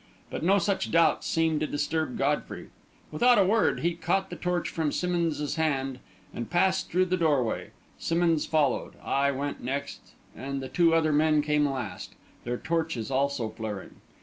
But no such doubts seemed to disturb Godfrey. Without a word, he caught the torch from Simmonds's hand, and passed through the doorway. Simmonds followed, I went next, and the two other men came last, their torches also flaring.